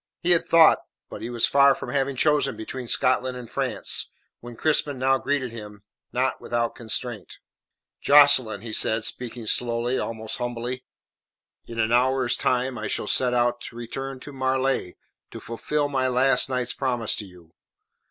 He had thought, but he was far from having chosen between Scotland and France, when Crispin now greeted him, not without constraint. "Jocelyn," he said, speaking slowly, almost humbly. "In an hour's time I shall set out to return to Marleigh to fulfil my last night's promise to you.